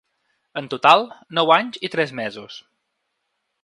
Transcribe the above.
En total, nou anys i tres mesos.